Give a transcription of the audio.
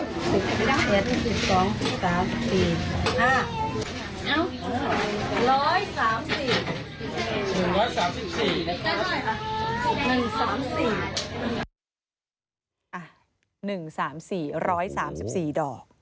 ๑๓๔ร้อย๓๔ดอก